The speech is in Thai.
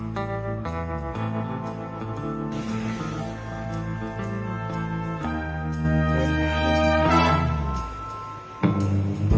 เวลาแม่ง